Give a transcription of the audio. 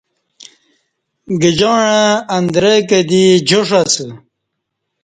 گجاعں اندرہ کہ دی جاݜ اسہ